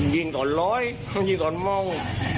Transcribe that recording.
ยิงก่อนร้อยยิงก่อนม่อง